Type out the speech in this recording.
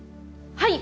はい。